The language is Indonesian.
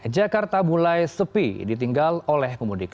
jakarta mulai sepi ditinggal oleh pemudik